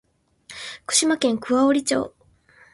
福島県桑折町